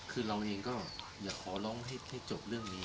คือเราเองก็อยากขอร้องให้จบเรื่องนี้